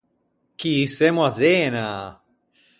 Chì semmo à Zena!